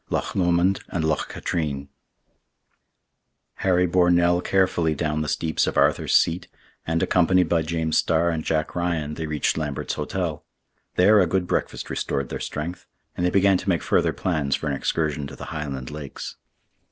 LOCH LOMOND AND LOCH KATRINE Harry bore Nell carefully down the steeps of Arthur's Seat, and, accompanied by James Starr and Jack Ryan, they reached Lambert's Hotel. There a good breakfast restored their strength, and they began to make further plans for an excursion to the Highland lakes.